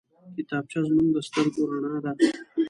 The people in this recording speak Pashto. کتابچه زموږ د سترګو رڼا ده